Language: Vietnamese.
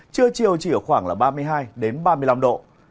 chưa chiều chỉ ở khoảng ba mươi hai ba mươi năm độ